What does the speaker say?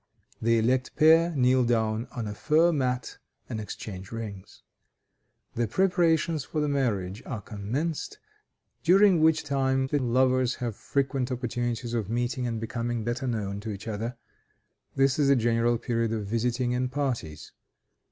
The elect pair kneel down on a fur mat and exchange rings. The preparations for the marriage are commenced, during which time the lovers have frequent opportunities of meeting and becoming better known to each other; this is a general period of visiting and parties.